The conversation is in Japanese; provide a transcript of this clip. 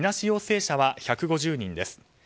陽性者は１５０人です。